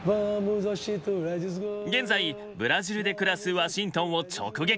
現在ブラジルで暮らすワシントンを直撃。